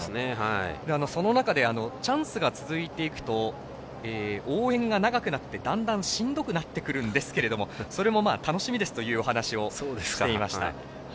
その中でチャンスが続いていくと応援が長くなってだんだんしんどくなってくるんですがそれも楽しみですというお話をしていました。